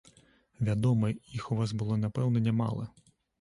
Вядома, іх у вас было напэўна, нямала.